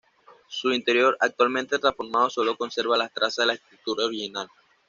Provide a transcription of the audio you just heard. Su interior, actualmente transformado, sólo conserva las trazas de la estructura original.